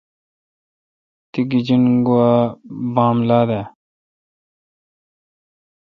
تی گیجین گوا بام لا دہ۔